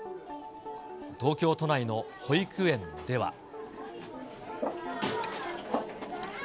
東京都内の保育園では。